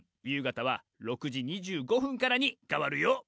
夕方は、６時２５分からに変わるよ。